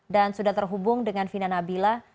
dan sudah terhubung dengan vina nabila